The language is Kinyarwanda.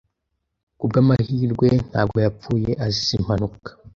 Kubwamahirwe ntabwo yapfuye azize impanuka.